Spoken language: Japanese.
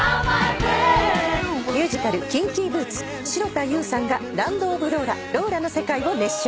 ミュージカル『キンキーブーツ』城田優さんが『ＬＡＮＤＯＦＬＯＬＡローラの世界』を熱唱。